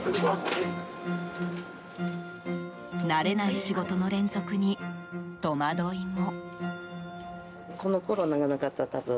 慣れない仕事の連続に戸惑いも。